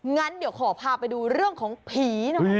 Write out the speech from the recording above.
งั้นเดี๋ยวขอพาไปดูเรื่องของผีหน่อย